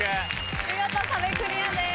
見事壁クリアです。